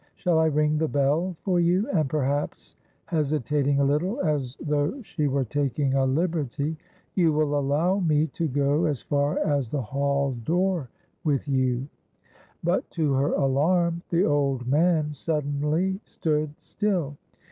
Shall I ring the bell for you, and perhaps" hesitating a little, as though she were taking a liberty "you will allow me to go as far as the hall door with you." But to her alarm the old man suddenly stood still.